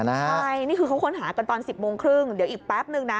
ใช่นี่คือเขาค้นหากันตอน๑๐โมงครึ่งเดี๋ยวอีกแป๊บนึงนะ